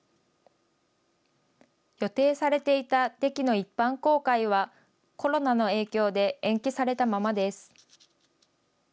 予定されていたデキの一般公開はコロナの影響で延期されたままです。